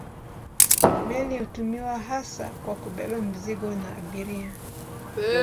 Meli hutumiwa hasa kwa kubeba mizigo na abiria.